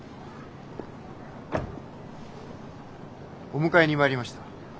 お迎えに参りました。